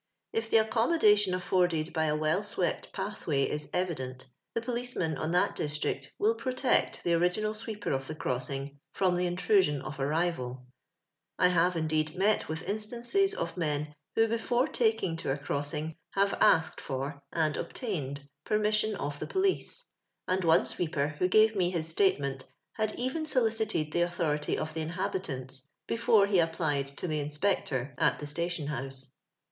If the accommodation afibrded by a well swept pathway is evident, the policeman on that district will protect the original sweeper of the crossing from the intrusion of a rivaL I have, indeed, met with instances of men who, before taking to a crossing, have asked for and obtained permission of the police; and one sweeper, who gave me his statement, had even solicited the authority of the inhabitants before he applied to the in specter at the station house.